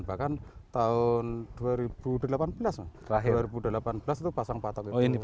bahkan tahun dua ribu delapan belas itu pasang patok ini